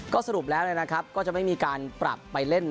ก็สรุปแล้วเลยนะครับก็จะไม่มีการปรับไปเล่นใน